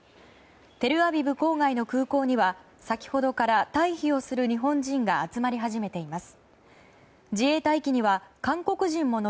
テルアビブ郊外の空港には先ほどから退避をする日本人が集まり始めています。